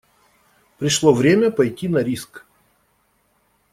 Пришло время пойти на риск.